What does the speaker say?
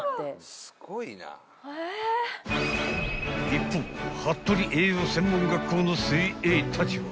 ［一方服部栄養専門学校の精鋭たちは］